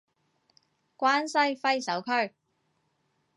關西揮手區